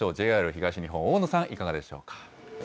ＪＲ東日本、大野さん、いかがでしょうか。